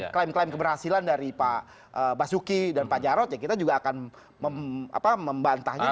klaim klaim keberhasilan dari pak basuki dan pak jarod ya kita juga akan membantahnya